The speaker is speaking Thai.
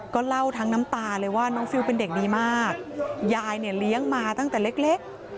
ก็เล่าทั้งน้ำตาเลยว่าน้องฟิลเป็นเด็กดีมากยายเนี่ยเลี้ยงมาตั้งแต่เล็ก